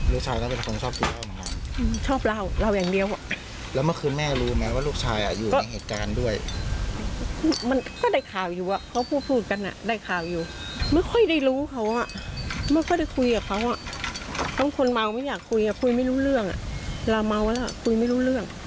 ลูกชายก็เป็นคนชอบคุยเล่าเหมือนกันชอบเล่าอย่างเดียวอ่ะแล้วเมื่อคืนแม่รู้ไหมว่าลูกชายอยู่ในเหตุการณ์ด้วยมันก็ได้ข่าวอยู่ว่าเขาพูดพูดกันอ่ะได้ข่าวอยู่ไม่ค่อยได้รู้เขาอ่ะไม่ค่อยได้คุยกับเขาอ่ะทั้งคนเมาไม่อยากคุยอ่ะคุยคุยไม่รู้เรื่องอ่ะเราเมาแล้วคุยไม่รู้เรื่อง